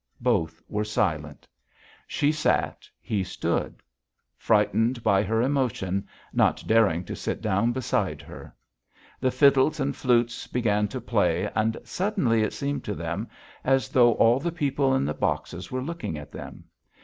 Both were silent. She sat, he stood; frightened by her emotion, not daring to sit down beside her. The fiddles and flutes began to play and suddenly it seemed to them as though all the people in the boxes were looking at them.